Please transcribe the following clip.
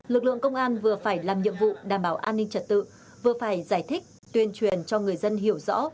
lực lượng công an vừa phải làm nhiệm vụ đảm bảo an ninh trật tự vừa phải giải thích tuyên truyền cho người dân hiểu rõ